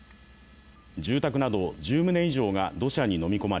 住宅など１０棟以上が土砂にのみこまれ